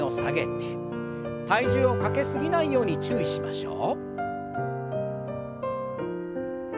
体重をかけ過ぎないように注意しましょう。